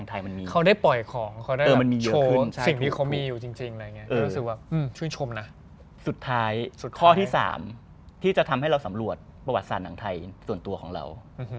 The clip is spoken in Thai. ที่สุดท้ายถ้าเราสำรวจประวัติศาสตร์หนังไทยส่วนตัวของเรา